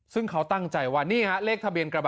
ซึ่งเขาตั้งใจว่านี่ฮะเลขทะเบียนกระบะ